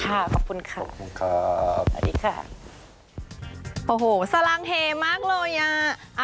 ค่ะขอบคุณค่ะสวัสดีค่ะโอ้โหสลังเทมากเลยอ่ะ